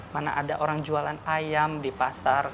mana ada orang jualan ayam di pasar